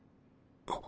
あっ。